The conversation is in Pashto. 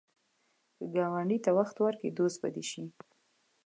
که ګاونډي ته وخت ورکړې، دوست به شي